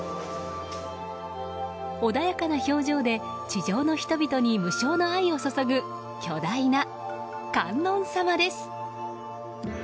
穏やかな表情で地上の人々に無償の愛を注ぐ巨大な観音様です。